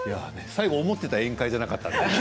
最後、思っていた宴会じゃなかったですね。